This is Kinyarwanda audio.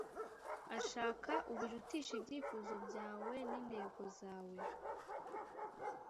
ashaka ubirutishe ibyifuzo byawe n intego zawe